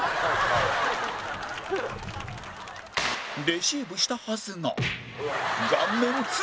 レシーブしたはずが